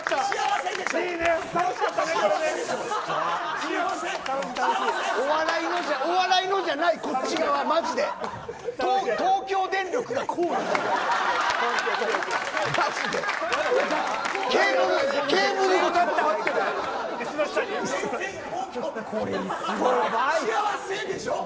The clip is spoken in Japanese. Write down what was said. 幸せでしょ。